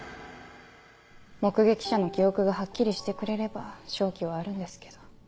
目撃者の記憶がはっきりしてくれれば勝機はあるんですけど。